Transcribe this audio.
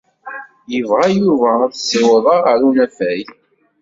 Yebɣa Yuba ad t-ssiwḍeɣ ɣer unafag?